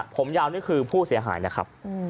ผมยาวนี่คือผู้เสียหายนะครับ